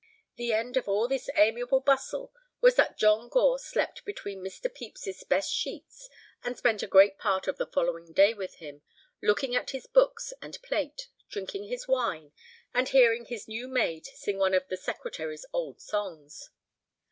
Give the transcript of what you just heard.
The end of all this amiable bustle was that John Gore slept between Mr. Pepys's best sheets, and spent a great part of the following day with him, looking at his books and plate, drinking his wine, and hearing his new maid sing one of the secretary's old songs.